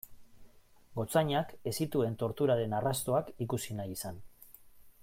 Gotzainak ez zituen torturaren arrastoak ikusi nahi izan.